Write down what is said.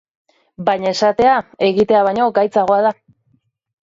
Baina esatea egitea baino gaitzagoa da.